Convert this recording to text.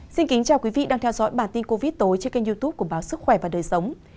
xin kính chào quý vị đang theo dõi bản tin covid tối trên kênh youtube của báo sức khỏe và đời sống